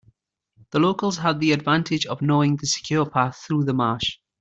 The locals had the advantage of knowing the secure path through the marsh.